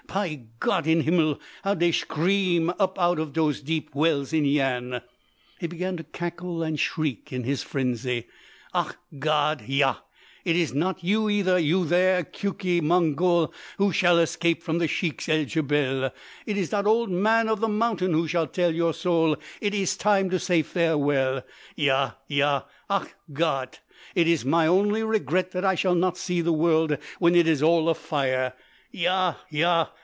Py Gott in Himmel, how dey schream up out of dose deep wells in Yian!" He began to cackle and shriek in his frenzy. "Ach Gott ja! It iss not you either—you there, Keuke Mongol, who shall escape from the Sheiks el Djebel! It iss dot Old Man of the Mountain who shall tell your soul it iss time to say farewell! Ja! Ja! Ach Gott!—it iss my only regret that I shall not see the world when it is all afire! Ja!